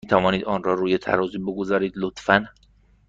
می توانید آن را روی ترازو بگذارید، لطفا؟